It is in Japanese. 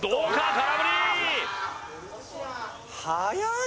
空振りー！